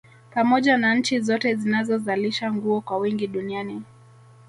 Pamoja na nchi zote zinazozalisha nguo kwa wingi Duniani